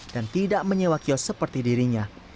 dan tidak menyewakios seperti dirinya